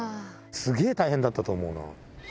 すげー大変だったと思うな。